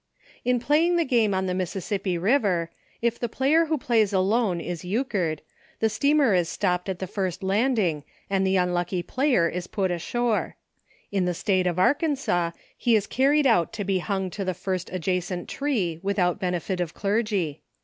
In playing the game on the Mississppi river, if the player who Plays Alone is Euchred, the steamer is stopped at the first landing and the unlucky player is put ashore. In the State of Arkansas he is carried out to be hung to the first adjacent tree, without benefit of clergy.